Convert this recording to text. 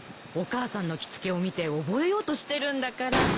お母さんの着付けを見て覚えようとしてるんだから。